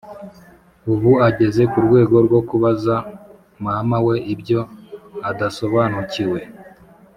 ubu ageze ku rwego rwo kubaza mama we ibyo adasobanukiwe